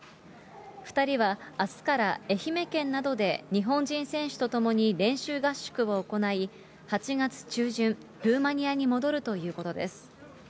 ２人はあすから、愛媛県などで日本人選手と共に練習合宿を行い、８月中旬、ルーマニアに戻るということです。